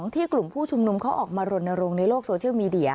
ที่กลุ่มผู้ชุมนุมเขาออกมารณรงค์ในโลกโซเชียลมีเดีย